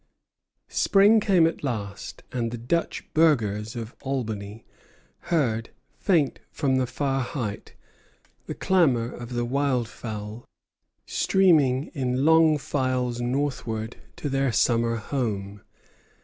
Spring came at last, and the Dutch burghers of Albany heard, faint from the far height, the clamor of the wild fowl, streaming in long files northward to their summer home.